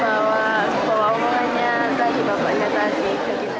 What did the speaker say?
terus bahwa bahwa omongannya tadi bapaknya tadi